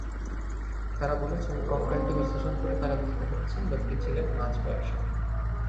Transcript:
তাঁরা বলেছেন, কঙ্কালটি বিশ্লেষণ করে তাঁরা বুঝতে পেরেছেন, লোকটি ছিলেন মাঝ বয়সের।